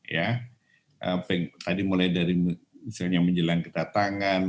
ya tadi mulai dari misalnya menjelang kedatangan